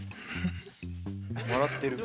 笑ってる。